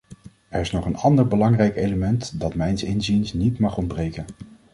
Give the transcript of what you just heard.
Er is nog een ander belangrijk element dat mijns inziens niet mag ontbreken.